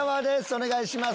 お願いします。